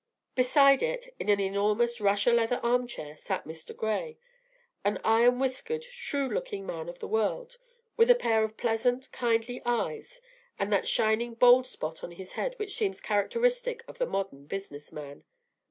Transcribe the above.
Beside it, in an enormous Russia leather armchair, sat Mr. Gray, an iron whiskered, shrewd looking man of the world, with a pair of pleasant, kindly eyes, and that shining bald spot on his head which seems characteristic of the modern business man.